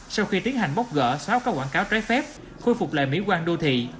sau khi tiến hành bóc gỡ xóa các quảng cáo trái phép khôi phục lại mỹ quan đô thị